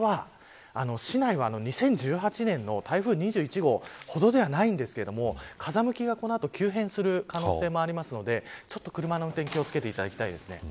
大阪市内は、２０１８年の台風２１号ほどではないんですけど風向きがこの後急変する可能性もあるので車の運転に気を付けていただきたいです。